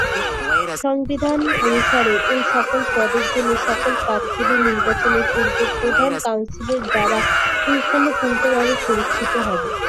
সংবিধান অনুসারে এই সকল পদের জন্য সকল প্রার্থীদের নির্বাচনের পূর্বে প্রধান কাউন্সিলের দ্বারা পুঙ্খানুপুঙ্খভাবে পরীক্ষিত হবে।